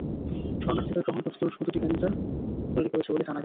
শরণার্থীদের গ্রহণ করতে তুরস্ক দুটি কেন্দ্র তৈরি করেছে বলে জানা গেছে।